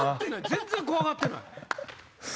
全然怖がってない。